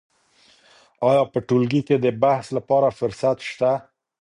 آیا په ټولګي کې د بحث لپاره فرصت شته؟